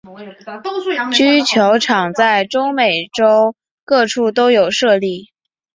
蹴球场在中美洲各处都有设立。